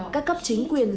các cấp chính quyền